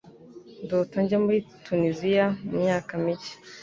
Ndota njya muri Tuniziya mumyaka mike.